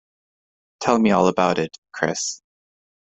Tell me all about it, Kris.